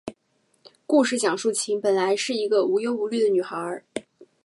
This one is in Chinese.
故事讲述琴本来是一个无忧无虑的女孩。